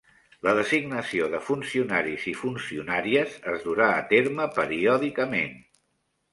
La designació de funcionaris i funcionàries es durà a terme periòdicament.